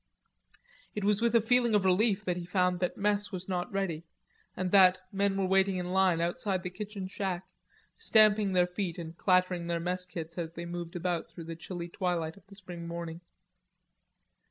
It was with a feeling of relief that he found that mess was not ready, and that men were waiting in line outside the kitchen shack, stamping their feet and clattering their mess kits as they moved about through the chilly twilight of the spring morning.